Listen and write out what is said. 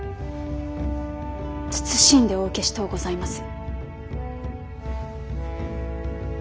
謹んでお受けしとうございます。